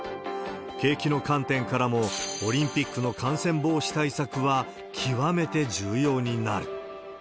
景気の観点からも、オリンピックの感染防止対策は極めて重要になる。